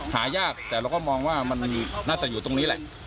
หายากแต่เราก็มองว่ามันน่าจะอยู่ตรงนี้แหละ